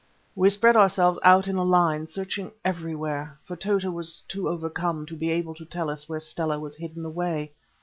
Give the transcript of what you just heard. We spread ourselves out in a line, searching everywhere, for Tota was too overcome to be able to tell us where Stella was hidden away.